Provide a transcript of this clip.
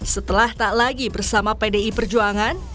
setelah tak lagi bersama dengan pdi